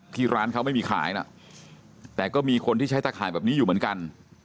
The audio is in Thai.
ที่ร้านเขาไม่มีขายนะแต่ก็มีคนที่ใช้ตะข่ายแบบนี้อยู่เหมือนกัน